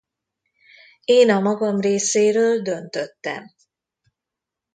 Én a magam részéről döntöttem.